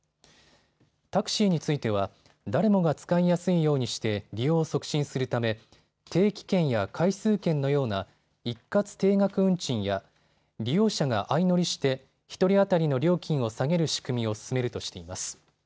タクシーについては誰もが使いやすいようにして利用を促進するため定期券や回数券のような一括定額運賃や利用者が相乗りして１人当たりの料金を下げる仕組みを進めるとしています。